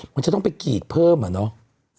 มันจะต้องไปกรีดเพิ่มอะเนาะ